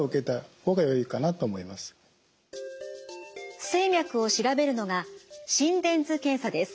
不整脈を調べるのが心電図検査です。